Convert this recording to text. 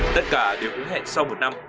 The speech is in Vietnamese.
tất cả đều hứa hẹn sau một năm